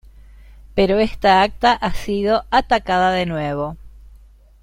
Pero esta acta ha sido atacada de nuevo.